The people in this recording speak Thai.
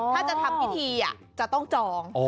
ถ้าจะทำพิธีจะต้องจอง